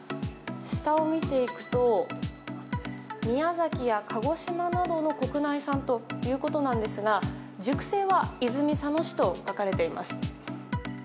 下を見ていくと宮崎や鹿児島などの国内産ということなんですが熟成は泉佐野市と書かれています。